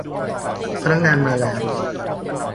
พนักงานมาแล้ว